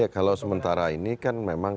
ya kalau sementara ini kan memang